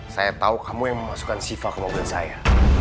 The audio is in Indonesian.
saya tahu kamu yang memasukkan siva ke mobil saya